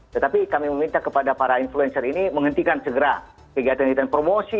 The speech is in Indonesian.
tetapi kami meminta kepada para influencer ini menghentikan segera kegiatan kegiatan promosi